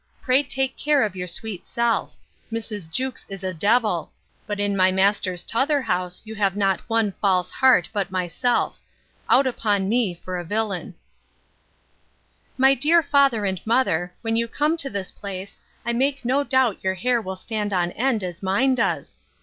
Pray take care of your sweet self. Mrs. Jewkes is a devil: but in my master's t'other house you have not one false heart, but myself. Out upon me for a villain!' My dear father and mother, when you come to this place, I make no doubt your hair will stand on end as mine does!